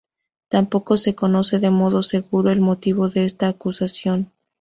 Tampoco se conoce de modo seguro el motivo de esta acusación.